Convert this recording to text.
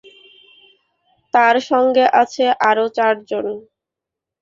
তার সঙ্গে আছে আরও চারজন।